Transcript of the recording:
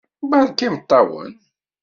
Beṛka imeṭṭawen!